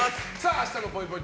明日のぽいぽい